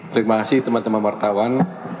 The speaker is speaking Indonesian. terima kasih teman teman wartawan